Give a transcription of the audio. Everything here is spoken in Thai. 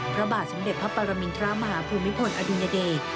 พระบาทสมเด็จพระปรมินทรมาฮภูมิพลอดุญเดช